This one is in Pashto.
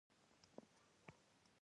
عمراني چارې وستایل شوې.